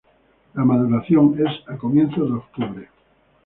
La maduración es a comienzos de octubre.